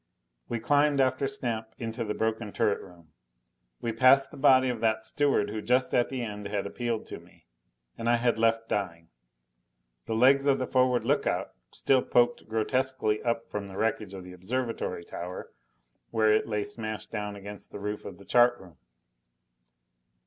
We climbed after Snap into the broken turret room. We passed the body of that steward who just at the end had appealed to me and I had left dying. The legs of the forward lookout still poked grotesquely up from the wreckage of the observatory tower where it lay smashed down against the roof of the chart room.